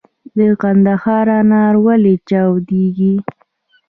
د کندهار انار ولې چاودیږي؟